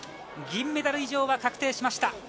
銀メダル以上が確定しました。